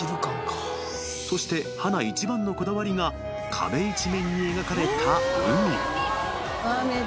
［そして華一番のこだわりが壁一面に描かれた海］